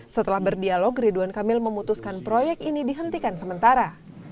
setelah berdialog ridwan kamil memutuskan proyek ini dihentikan sementara